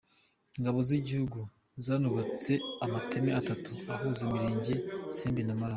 Ingabo z’igihugu zanubatse amateme atatu ahuza imirenge ya Simbi na Maraba.